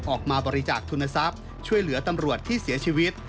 ออกมาบริจาคทุนทรัพย์ช่วยเหลือตำรวจที่เสียชีวิต